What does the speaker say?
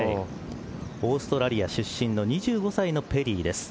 オーストラリア出身の２５歳のペリーです。